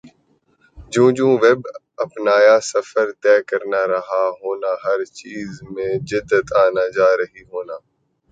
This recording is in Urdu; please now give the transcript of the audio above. جوں جوں ویب اپنانا سفر طے کرنا رہنا ہونا ہَر چیز میں جدت آنا جارہی ہونا